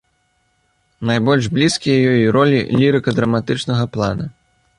Найбольш блізкія ёй ролі лірыка-драматычнага плана.